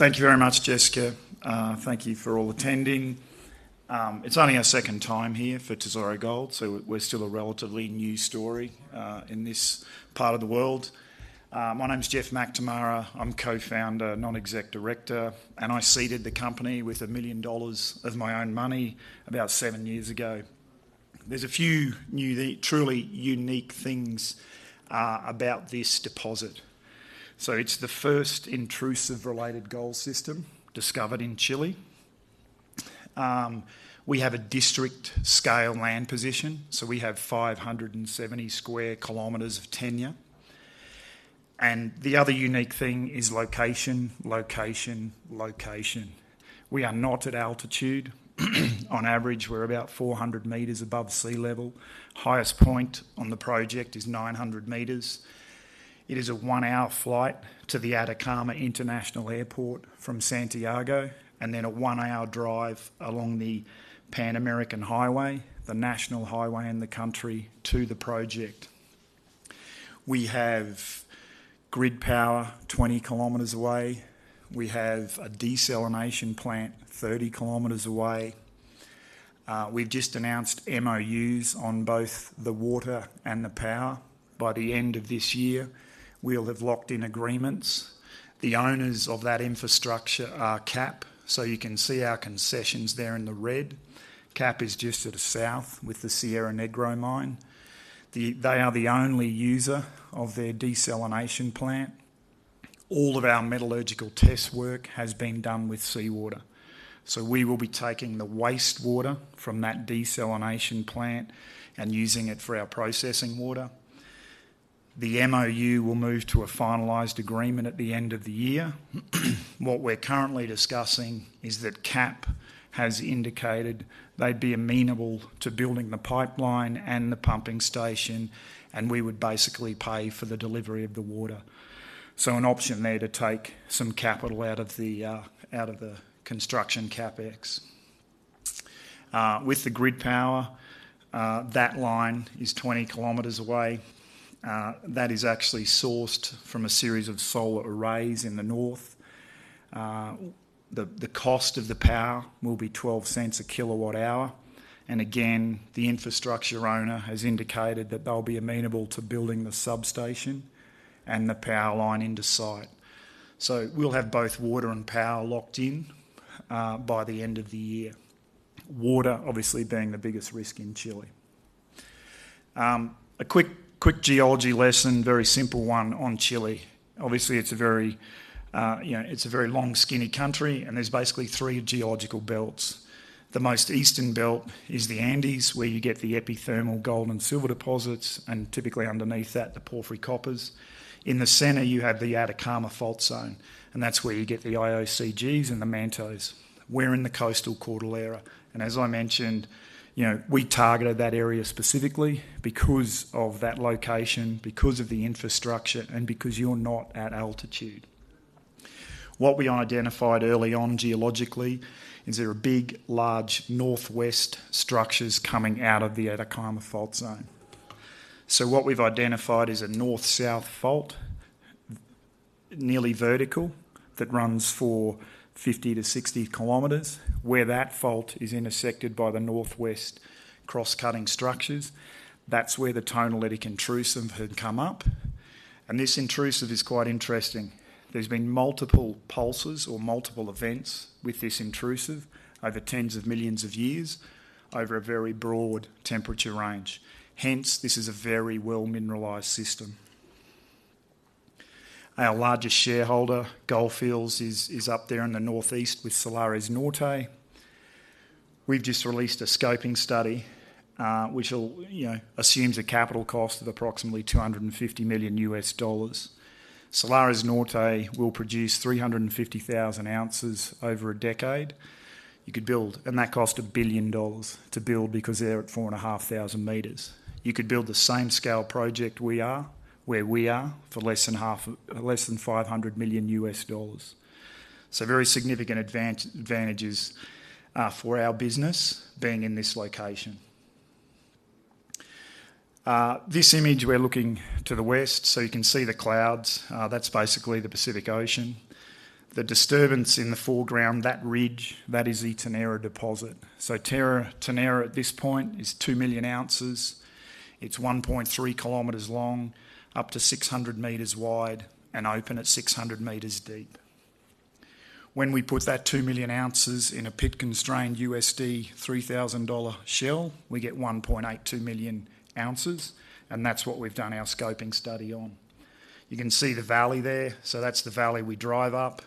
Thank you very much, Jessica. Thank you for all attending. It's only our second time here for Tesoro Gold, so we're still a relatively new story in this part of the world. My name's Geoff McNamara. I'm Co-Founder and Non-Exec Director, and I seeded the company with 1 million dollars of my own money about seven years ago. There's a few truly unique things about this deposit. So it's the first intrusive-related gold system discovered in Chile. We have a district-scale land position, so we have 570 sq km of tenure. And the other unique thing is location, location, location. We are not at altitude. On average, we're about 400 m above sea level. Highest point on the project is 900 m. It is a one-hour flight to the Atacama International Airport from Santiago and then a one-hour drive along the Pan-American Highway, the national highway in the country, to the project. We have grid power 20 km away. We have a desalination plant 30 km away. We've just announced MOUs on both the water and the power. By the end of this year, we'll have locked in agreements. The owners of that infrastructure are CAP, so you can see our concessions there in the red. CAP is just to the south with the Cerro Negro Norte mine. They are the only user of their desalination plant. All of our metallurgical test work has been done with seawater. So we will be taking the wastewater from that desalination plant and using it for our processing water. The MOU will move to a finalized agreement at the end of the year. What we're currently discussing is that CAP has indicated they'd be amenable to building the pipeline and the pumping station, and we would basically pay for the delivery of the water, so an option there to take some capital out of the construction CapEx. With the grid power, that line is 20 km away. That is actually sourced from a series of solar arrays in the north. The cost of the power will be $0.12 per kWh. And again, the infrastructure owner has indicated that they'll be amenable to building the substation and the power line into site, so we'll have both water and power locked in by the end of the year, water obviously being the biggest risk in Chile. A quick geology lesson, very simple one on Chile. Obviously, it's a very long, skinny country, and there's basically three geological belts. The most eastern belt is the Andes, where you get the epithermal gold and silver deposits, and typically underneath that, the porphyry coppers. In the center, you have the Atacama Fault Zone, and that's where you get the IOCGs and the mantos. We're in the Coastal Cordillera. As I mentioned, we targeted that area specifically because of that location, because of the infrastructure, and because you're not at altitude. What we identified early on geologically is there are big, large northwest structures coming out of the Atacama Fault Zone. What we've identified is a north-south fault, nearly vertical, that runs for 50 to 60 km. Where that fault is intersected by the northwest cross-cutting structures, that's where the tonalite intrusive had come up. This intrusive is quite interesting. There's been multiple pulses or multiple events with this intrusive over tens of millions of years over a very broad temperature range. Hence, this is a very well-mineralized system. Our largest shareholder, Gold Fields, is up there in the northeast with Salares Norte. We've just released a scoping study which assumes a capital cost of approximately $250 million. Salares Norte will produce 350,000 ounces over a decade. You could build, and that costs $1 billion to build because they're at 4,500 meters. You could build the same-scale project we are, where we are, for less than $500 million. So very significant advantages for our business being in this location. This image, we're looking to the west, so you can see the clouds. That's basically the Pacific Ocean. The disturbance in the foreground, that ridge, that is a Ternera deposit. Ternera at this point is 2 million ounces. It's 1.3 kilometers long, up to 600 meters wide, and open at 600 meters deep. When we put that 2 million ounces in a pit-constrained $3,000 shell, we get 1.82 million ounces, and that's what we've done our scoping study on. You can see the valley there, so that's the valley we drive up.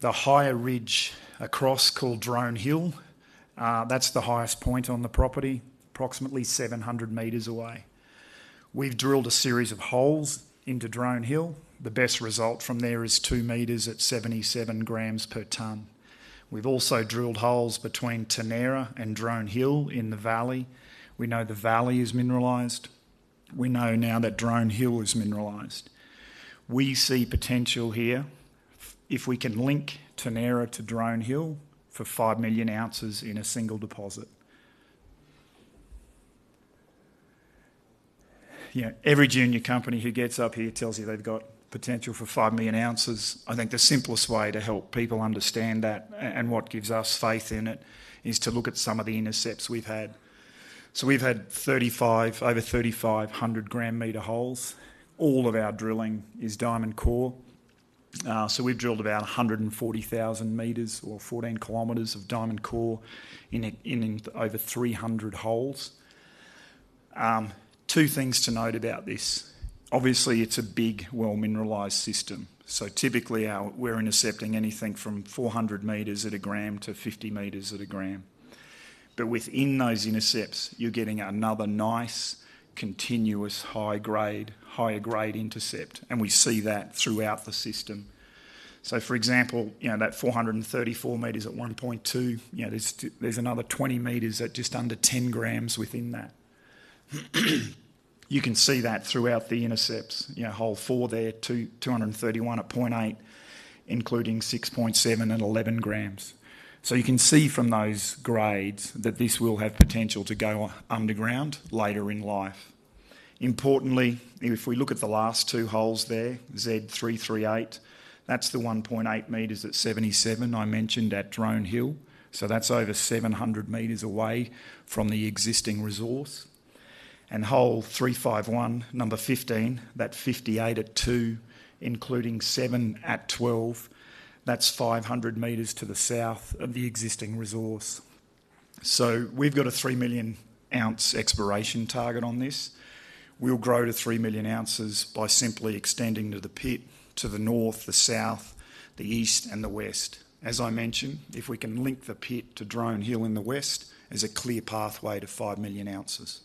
The higher ridge across called Drone Hill, that's the highest point on the property, approximately 700 meters away. We've drilled a series of holes into Drone Hill. The best result from there is 2 meters at 77 grams per ton. We've also drilled holes between Ternera and Drone Hill in the valley. We know the valley is mineralized. We know now that Drone Hill is mineralized. We see potential here if we can link Ternera to Drone Hill for 5 million ounces in a single deposit. Every junior company who gets up here tells you they've got potential for 5 million ounces. I think the simplest way to help people understand that and what gives us faith in it is to look at some of the intercepts we've had. We've had over 3,500 gram-meter holes. All of our drilling is diamond core. We've drilled about 140,000 meters or 14 kilometers of diamond core in over 300 holes. Two things to note about this. Obviously, it's a big, well-mineralized system. Typically, we're intercepting anything from 400 meters at a gram to 50 meters at a gram. But within those intercepts, you're getting another nice, continuous, high-grade, higher-grade intercept, and we see that throughout the system. For example, that 434 meters at 1.2. There's another 20 meters at just under 10 grams within that. You can see that throughout the intercepts. Hole 4 there, 231 at 0.8, including 6.7 and 11 grams. So you can see from those grades that this will have potential to go underground later in life. Importantly, if we look at the last two holes there, Z338, that's the 1.8 meters at 77 I mentioned at Drone Hill. So that's over 700 meters away from the existing resource. And hole 351, number 15, that 58 at 2, including 7 at 12, that's 500 meters to the south of the existing resource. So we've got a 3 million ounce exploration target on this. We'll grow to 3 million ounces by simply extending to the pit, to the north, the south, the east, and the west. As I mentioned, if we can link the pit to Drone Hill in the west, there's a clear pathway to 5 million ounces.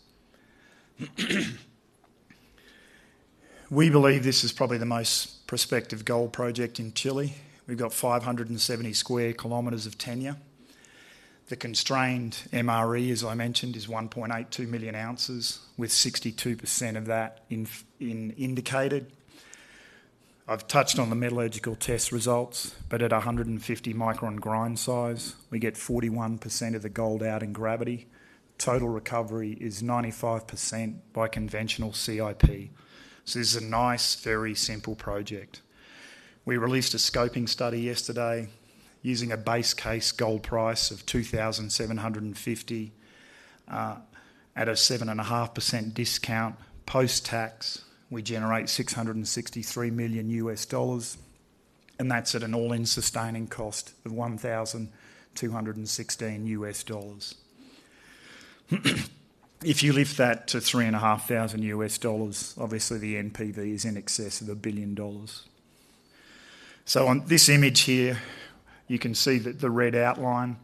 We believe this is probably the most prospective gold project in Chile. We've got 570 sq km of tenure. The constrained MRE, as I mentioned, is 1.82 million ounces, with 62% of that indicated. I've touched on the metallurgical test results, but at 150 micron grind size, we get 41% of the gold out in gravity. Total recovery is 95% by conventional CIP. So this is a nice, very simple project. We released a scoping study yesterday using a base case gold price of $2,750 at a 7.5% discount. Post-tax, we generate $663 million, and that's at an all-in sustaining cost of $1,216. If you lift that to $3,500, obviously the NPV is in excess of $1 billion. So on this image here, you can see the red outline.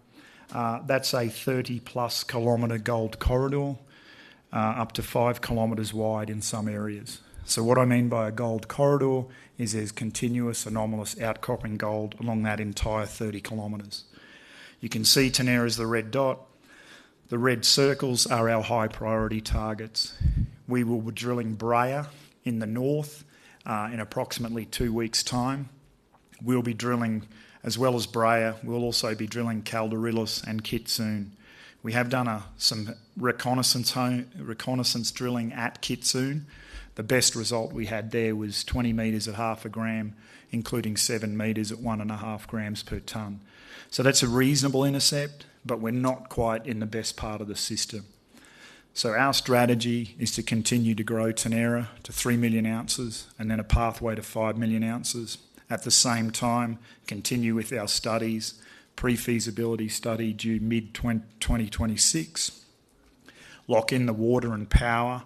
That's a 30-plus km gold corridor up to 5 km wide in some areas. So what I mean by a gold corridor is there's continuous anomalous outcropping gold along that entire 30 kilometers. You can see Ternera is the red dot. The red circles are our high-priority targets. We will be drilling Breyer in the north in approximately two weeks' time. We'll be drilling as well as Breyer. We'll also be drilling Calderillas and Kitsune. We have done some reconnaissance drilling at Kitsune. The best result we had there was 20 meters at 0.5 grams, including 7 meters at 1.5 grams per ton. So that's a reasonable intercept, but we're not quite in the best part of the system. So our strategy is to continue to grow Ternera to 3 million ounces and then a pathway to 5 million ounces. At the same time, continue with our studies, pre-feasibility study due mid-2026. Lock in the water and power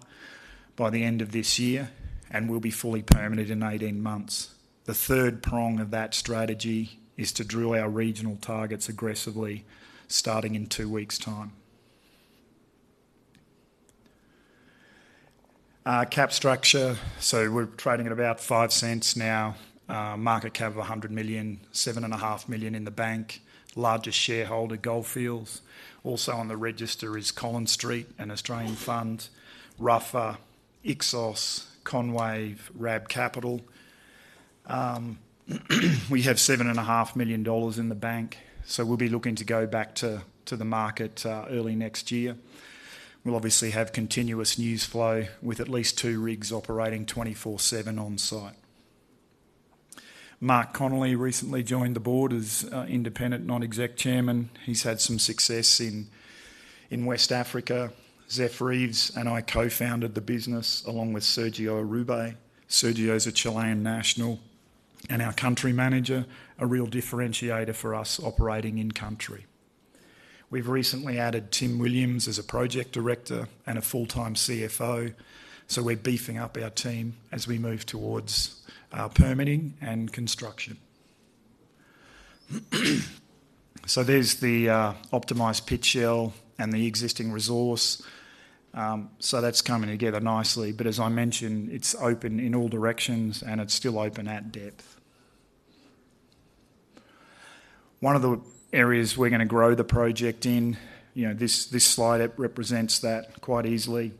by the end of this year, and we'll be fully permitted in 18 months. The third prong of that strategy is to drill our regional targets aggressively starting in two weeks' time. Cap structure. So we're trading at about 0.05 now. Market cap of 100 million, 7.5 million in the bank. Largest shareholder, Gold Fields. Also on the register is Collins Street, an Australian fund, Ruffer, Ixios, Konwave, RAB Capital. We have 7.5 million dollars in the bank, so we'll be looking to go back to the market early next year. We'll obviously have continuous news flow with at least two rigs operating 24/7 on site. Mark Connelly recently joined the board as independent non-exec chairman. He's had some success in West Africa. Zeph Reeves and I co-founded the business along with Sergio Uribe. Sergio's a Chilean national and our country manager, a real differentiator for us operating in country. We've recently added Tim Williams as a project director and a full-time CFO, so we're beefing up our team as we move towards permitting and construction. So there's the optimized pit shell and the existing resource. So that's coming together nicely, but as I mentioned, it's open in all directions and it's still open at depth. One of the areas we're going to grow the project in, this slide represents that quite easily.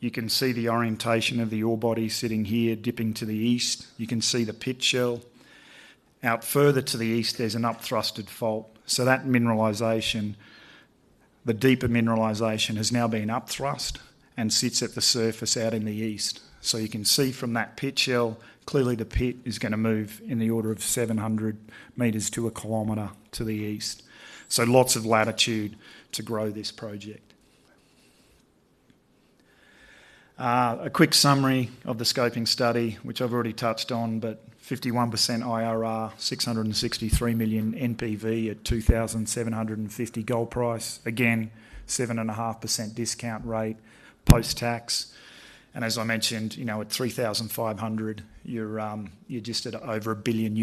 You can see the orientation of the ore body sitting here dipping to the east. You can see the pit shell. Out further to the east, there's an upthrusted fault. So that mineralization, the deeper mineralization has now been upthrust and sits at the surface out in the east. So you can see from that pit shell, clearly the pit is going to move in the order of 700 meters to a kilometer to the east. So lots of latitude to grow this project. A quick summary of the scoping study, which I've already touched on, but 51% IRR, $663 million NPV at $2,750 gold price. Again, 7.5% discount rate post-tax. And as I mentioned, at $3,500, you're just at over $1 billion.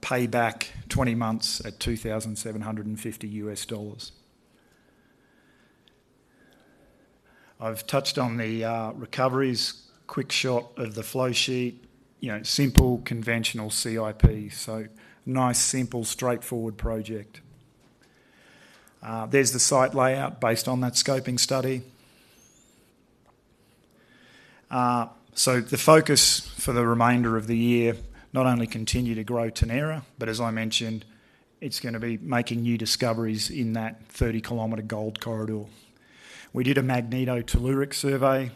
Payback 20 months at $2,750. I've touched on the recoveries quick shot of the flow sheet. Simple, conventional CIP. So nice, simple, straightforward project. There's the site layout based on that scoping study. So the focus for the remainder of the year, not only continue to grow Ternera, but as I mentioned, it's going to be making new discoveries in that 30-kilometer gold corridor. We did a magnetotellurics survey,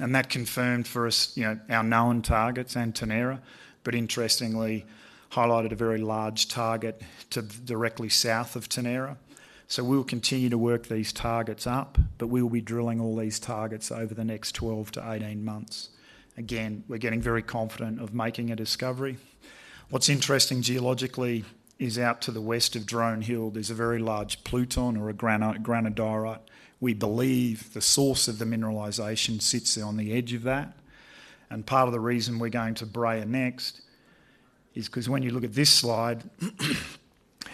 and that confirmed for us our known targets and Ternera, but interestingly highlighted a very large target directly south of Ternera. So we'll continue to work these targets up, but we'll be drilling all these targets over the next 12 to 18 months. Again, we're getting very confident of making a discovery. What's interesting geologically is out to the west of Drone Hill, there's a very large pluton or a granodiorite. We believe the source of the mineralization sits on the edge of that. And part of the reason we're going to Breyer next is because when you look at this slide,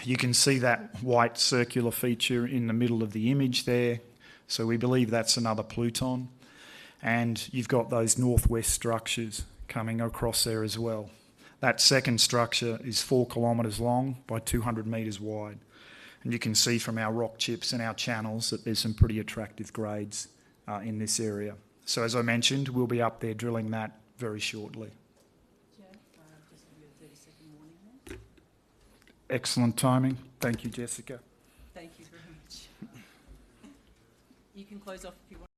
you can see that white circular feature in the middle of the image there. So we believe that's another pluton. And you've got those northwest structures coming across there as well. That second structure is four kilometers long by 200 meters wide. And you can see from our rock chips and our channels that there's some pretty attractive grades in this area. So as I mentioned, we'll be up there drilling that very shortly. Geoff, just give you a 30-second warning there. Excellent timing. Thank you, Jessica. Thank you very much. You can close off if you want.